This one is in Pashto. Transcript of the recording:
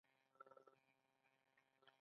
آیا په کلدارو راکړه ورکړه بنده ده؟